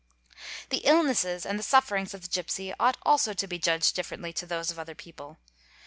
The illnesses and the sufferings of the gipsy ought also to be judged Gifferently to those of other people.